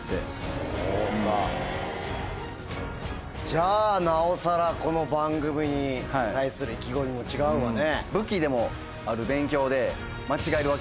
じゃあなおさらこの番組に対する意気込みも違うわね。